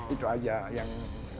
itu aja yang